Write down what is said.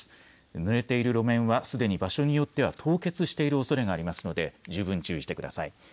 ぬれている路面はすでに場所によっては凍結しているおそれがありますので十分注意してください。